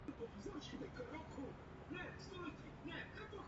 Schopnost vazby na kolagen je při izolaci ostrůvků nutná.